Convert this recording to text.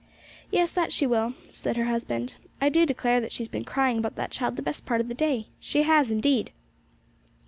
'Yes, that she will,' said her husband. 'I do declare she has been crying about that child the best part of the day! She has indeed!'